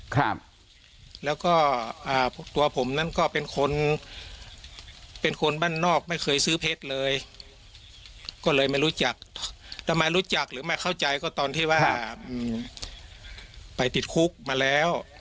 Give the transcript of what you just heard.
ครับแล้วก็อ่าพวกตัวผมนั้นก็เป็นคนเป็นคนบ้านนอกไม่เคยซื้อเพชรเลยก็เลยไม่รู้จักทำไมรู้จักหรือไม่เข้าใจก็ตอนที่ว่าไปติดคุกมาแล้ว